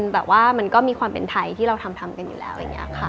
แต่ว่ามันก็มีความเป็นไทยที่เราทำกันอยู่แล้วอะไรอย่างนี้ค่ะ